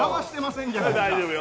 大丈夫よ。